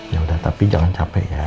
ya udah tapi jangan capek ya